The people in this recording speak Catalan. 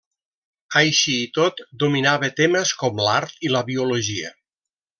Així i tot, dominava temes com l'art i la biologia.